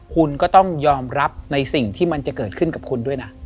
คุณก็ต้องยอมรับในสิ่งที่มันจะเกิดขึ้นกับคุณด้วยนะ